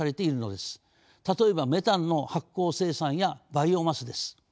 例えばメタンの発酵生産やバイオマスです。